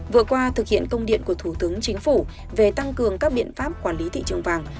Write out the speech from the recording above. vừa qua thực hiện công điện của thủ tướng chính phủ về tăng cường các biện pháp quản lý thị trường vàng